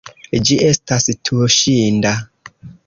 Ĝi estas tuŝinda.